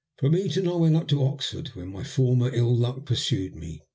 From Eton I went up to Oxford, where my former ill luck pursued me.